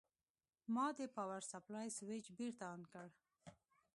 ما د پاور سپلای سویچ بېرته آن کړ.